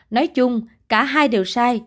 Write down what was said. nói chung cả hai đều sai